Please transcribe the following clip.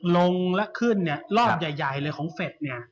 ลงและขึ้นรอบใหญ่ของเฟช